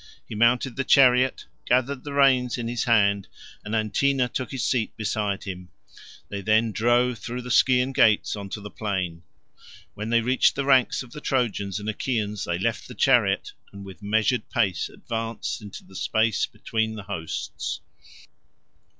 He mounted the chariot, gathered the reins in his hand, and Antenor took his seat beside him; they then drove through the Scaean gates on to the plain. When they reached the ranks of the Trojans and Achaeans they left the chariot, and with measured pace advanced into the space between the hosts.